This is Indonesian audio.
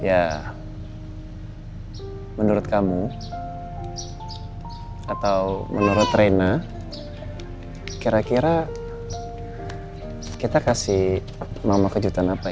ya menurut kamu atau menurut reina kira kira kita kasih mama kejutan apa ya